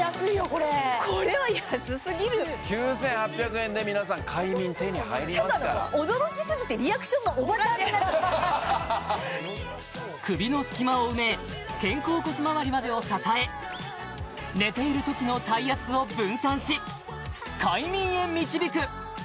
これこれは安すぎる９８００円で皆さん快眠手に入りますから驚きすぎてリアクションがおばちゃんになっちゃった首の隙間を埋め肩甲骨周りまでを支え寝ているときの体圧を分散し快眠へ導く！